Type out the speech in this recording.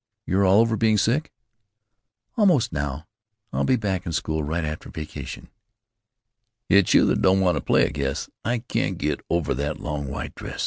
You're all over being sick?" "Almost, now. I'll be back in school right after vacation." "It's you that don't want to play, I guess.... I can't get over that long white dress.